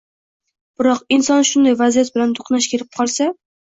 biroq inson shunday vaziyat bilan to‘qnash kelib qolsa